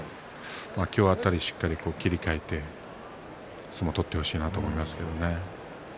今日辺り、しっかり切り替えて相撲を取ってほしいなと思いますね。